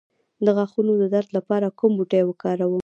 د غاښونو د درد لپاره کوم بوټی وکاروم؟